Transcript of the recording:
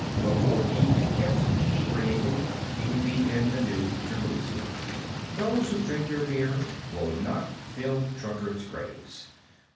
Before he could get inebriated he would be in the New Jerusalem. Those who drink your beer will not fill drunkards' graves.